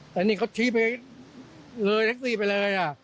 แต่นี่เขาชี้เพลงเลยแท็กซี่ไปเลย